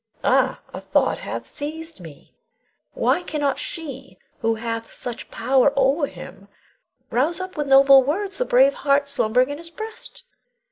Ah, a thought hath seized me! Why cannot she who hath such power o'er him rouse up with noble words the brave heart slumbering in his breast?